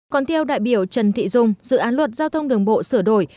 còn theo đại biểu trần thị dung dự án luật giao thông đường bộ sửa đổi